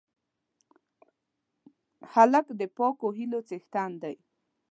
هلک د پاکو هیلو څښتن دی.